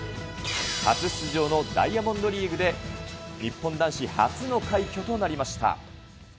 初出場のダイヤモンドリーグで、日本男子初の快挙となりました。